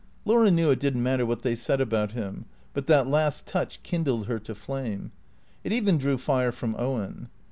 Laura knew it did n't matter what they said about him, but that last touch kindled her to flame. It even drew fire from Owen.